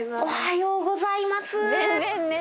おはようございます。